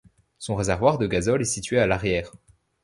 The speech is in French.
Son réservoir de gazole est situé à l'arrière.